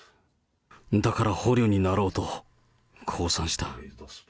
だから捕虜になろうと、降参した。